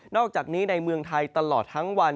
อกจากนี้ในเมืองไทยตลอดทั้งวัน